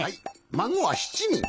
まごは７にん。